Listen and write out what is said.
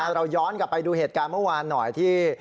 เราย้อนกลับไปดูเหตุการณ์เมื่อวานหน่อยที่